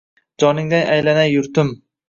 Joningdan aylanay, yurtim